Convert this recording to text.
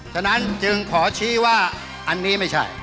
ฉะนั้นจึงขอชี้ว่าอันนี้ไม่ใช่